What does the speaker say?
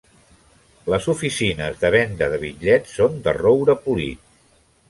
Les oficines de venda de bitllets són de roure polit.